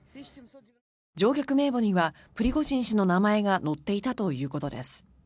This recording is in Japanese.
乗客名簿にはプリゴジン氏の名前が載っていたということです。